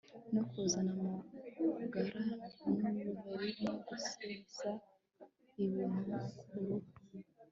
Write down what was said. no kuzana amagara n'ubuheri no gusesa ibintu ku ruhu